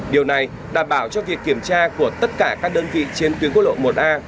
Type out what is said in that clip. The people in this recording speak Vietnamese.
điều này đảm bảo cho việc kiểm tra của tất cả các đơn vị trên tuyến quốc lộ một a